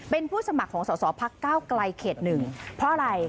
เป็นผู้สมัครของสาวพัก๙กลายเขต๑เพราะอะไรเขามี